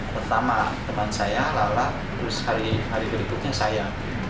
pertama teman saya lala terus hari berikutnya saya